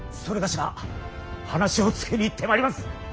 某が話をつけに行ってまいります！